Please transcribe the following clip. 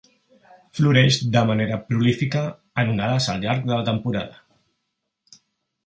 Floreix de manera prolífica, en onades al llarg de la temporada.